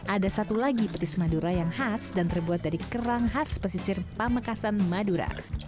ada satu lagi petis madura yang khas dan terbuat dari kerang khas pesisir pamekasan madura